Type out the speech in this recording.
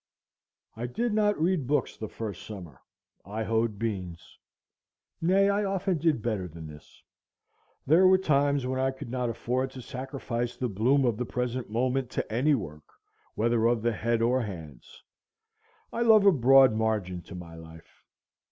I did not read books the first summer; I hoed beans. Nay, I often did better than this. There were times when I could not afford to sacrifice the bloom of the present moment to any work, whether of the head or hands. I love a broad margin to my life.